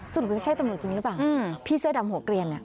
ไม่ใช่ตำรวจจริงหรือเปล่าพี่เสื้อดำหัวเกลียนเนี่ย